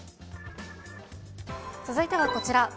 続いてはこちら。